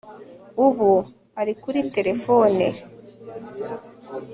ubu ari kuri terefone